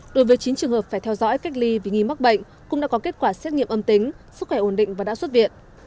đối với chín trường hợp phải theo dõi cách ly vì nghi mắc bệnh cũng đã có kết quả xét nghiệm âm tính sức khỏe ổn định và đã xuất viện